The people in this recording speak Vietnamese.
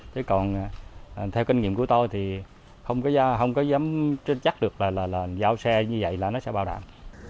chứ còn theo kinh nghiệm của tôi thì không có dám chắc được là giao xe như vậy là nó sẽ bao đảm